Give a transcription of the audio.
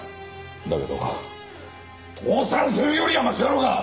だけど倒産するよりはましだろうが！